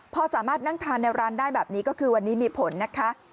พอสามารถนั่งทานในร้านได้แบบนี้ก็คือวันนี้มีผลนะคะ